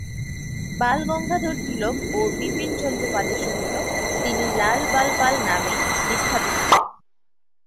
বাল গঙ্গাধর তিলক ও বিপিন চন্দ্র পালের সহিত তিনি লাল-বাল-পাল নামেই বিখ্যাত ছিলেন।